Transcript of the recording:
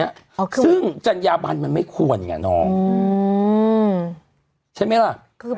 เอาข้อมูลคนข้าไปเมาส์ว่างั้นเถอะ